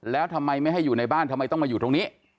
แล้วทำไมไม่ให้อยู่ในบ้านทำไมต้องมาอยู่ตรงนี้